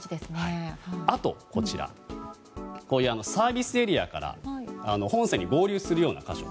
あと、サービスエリアから本線に合流するような場所。